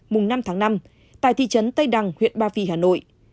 mùng năm tháng năm tại thị trấn tây đằng huyện ba vì hà nội